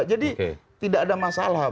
jadi tidak ada masalah pak